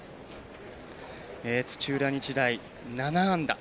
土浦日大、７安打。